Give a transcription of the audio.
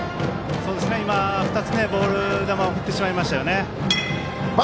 今、２つボール球振ってしまいました。